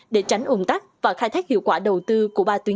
để tránh ồn tắc và khai thác hiệu quả đầu tư